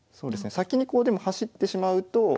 先にこうでも走ってしまうと。